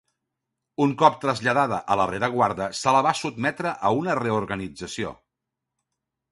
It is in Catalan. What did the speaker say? Un cop traslladada a la rereguarda, se la va sotmetre a una reorganització.